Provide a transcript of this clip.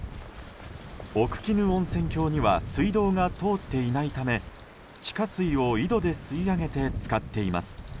奥鬼怒温泉郷には水道が通っていないため地下水を井戸で吸い上げて使っています。